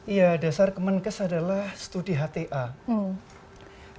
ya dasar kemenkes adalah studi hati hati